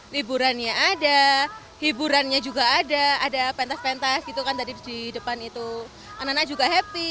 liburannya ada hiburannya juga ada ada pentas pentas gitu kan tadi di depan itu anak anak juga happy